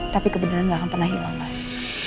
tapi kebenaran gak akan pernah hilang mas